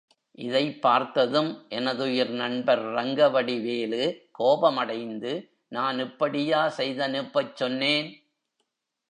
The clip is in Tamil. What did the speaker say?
இதைப் பார்த்ததும், எனதுயிர் நண்பர் ரங்கவடிவேலு கோபமடைந்து, நான் இப்படியா செய்தனுப்பச் சொன்னேன்?